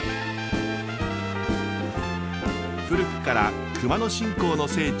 古くから熊野信仰の聖地